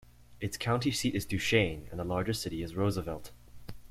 Its county seat is Duchesne, and the largest city is Roosevelt.